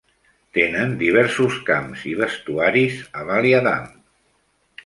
Tenen diversos camps i vestuaris a Ballyadam.